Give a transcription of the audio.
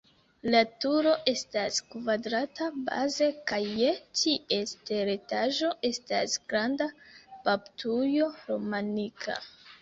La turo estas kvadrata baze kaj je ties teretaĝo estas granda baptujo romanika.